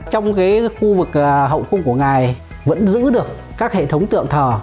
trong cái khu vực hồng cung của ngài vẫn giữ được các hệ thống tượng thờ